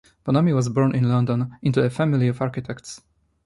Bonomi was born in London into a family of architects.